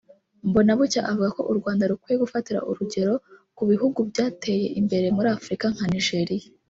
Mbonabucya avuga ko u Rwanda rukwiye gufatira urugero ku bihugu byateye imbere muri Afurika nka Nigeria